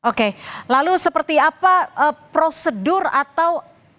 oke lalu seperti apa prosedur atau apa ya bisa dikatakan urutan untuk menguak kejadian